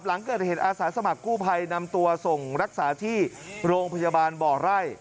หลังเกิดเหตุอาสาสมัครกู้ภัยนำตัวส่งรักษาที่โรงพยาบาลบ่อไร่